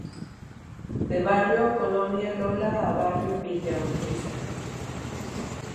De barrio Colonia Lola a barrio Villa Urquiza.